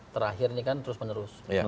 terakhir ini kan terus menerus